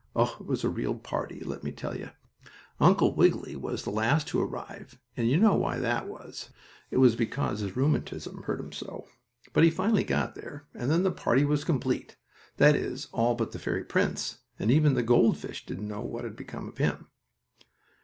Oh, it was a real party, let me tell you. Uncle Wiggily was the last to arrive, and you know why that was. It was because his rheumatism hurt him so. But he finally got there, and then the party was complete; that is, all but the fairy prince, and even the goldfish didn't know what had become of him.